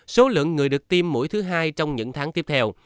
số lượng người được tiêm mỗi thứ hai trong những tháng tiếp theo